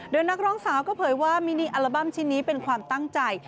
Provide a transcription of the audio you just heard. โดยนักร้องสาวก็เผยว่ามินีอัลบั้มชิ้นนี้เป็นความตั้งใจ